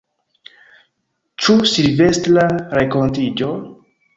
Ĉu Silvestra renkontiĝo?